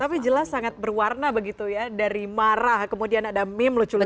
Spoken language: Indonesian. tapi jelas sangat berwarna begitu ya dari marah kemudian ada meme lucu lucu